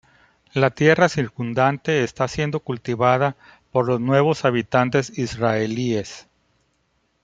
La tierra circundante está siendo cultivada por los nuevos habitantes israelíes.